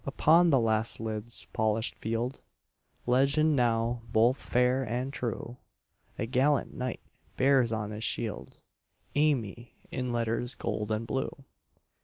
Upon the last lid's polished field Legend now both fair and true A gallant knight bears on his shield, "Amy" in letters gold and blue.